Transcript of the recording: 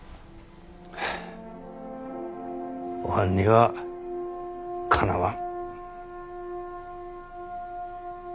おはんにはかなわん。